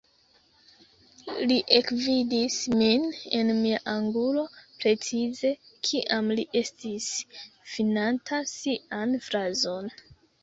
Li ekvidis min en mia angulo, precize kiam li estis finanta sian frazon.